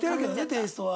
テイストは。